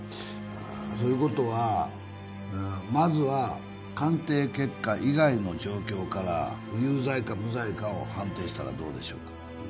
そういうことはまずは鑑定結果以外の状況から有罪か無罪かを判定したらどうでしょうか？